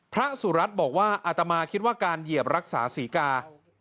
พระสุรัตน์บอกว่าอาตมาคิดว่าการเหยียบรักษาศรีกา